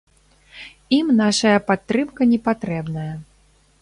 Ім нашая падтрымка не патрэбная.